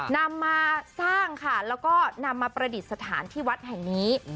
นำมาสร้างค่ะแล้วก็นำมาประดิษฐานที่วัดแห่งนี้